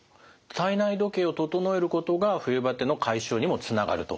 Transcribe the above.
体内時計を整えることが冬バテの解消にもつながると。